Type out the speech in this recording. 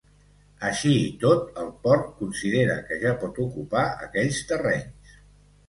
Així i tot, el port considera que ja pot ocupar aquells terrenyes.